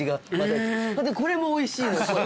でこれもおいしいのよ。